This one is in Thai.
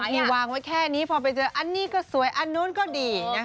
มีวางไว้แค่นี้พอไปเจออันนี้ก็สวยอันนู้นก็ดีนะคะ